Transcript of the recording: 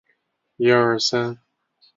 原址将开设太平洋影城。